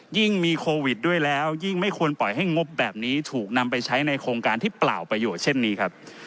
ยิ่งมีโควิดด้วยแล้วยิ่งไม่ควรปล่อยให้งบแบบนี้ถูกนำไปใช้ในโครงการที่เปล่าประโยชน์เช่นนี้ครับ